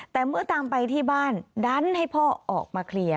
แต่เมื่อตามไปที่บ้านดันให้พ่อออกมาเคลียร์